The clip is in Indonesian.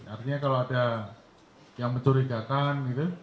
artinya kalau ada yang mencurigakan